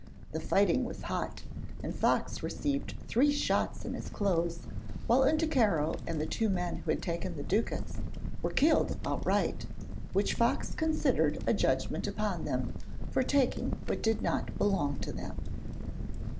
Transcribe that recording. The fighting was hot, and Fox received three shots in his clothes, while Unticaro and the two men who had taken the ducats were killed outright, which Fox considered a judgment upon them, for taking what did not belong to them.